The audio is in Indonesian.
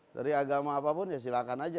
dari agama apapun ya silakan aja